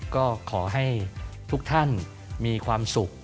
ก็ขอให้ทุกท่านมีความสุข